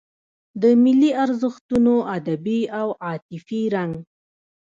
د ملي ارزښتونو ادبي او عاطفي رنګ.